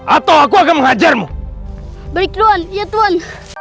atau aku akan mengajarmu baik tuhan ya tuhan